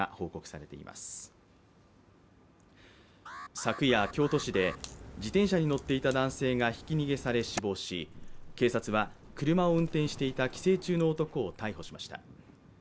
昨夜、京都市で自転車に乗っていた男性がひき逃げされ、死亡し、警察は車を運転していた帰省中の男を逮捕しました。